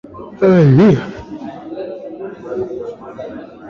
hapo ndipo mwanzo wa Ragbi kugawanyika na mchezo wa soka